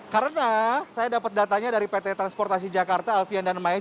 karena saya dapat datanya dari pt transportasi jakarta alvian dan maya